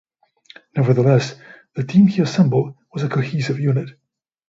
Nevertheless, the team he assembled was a cohesive unit.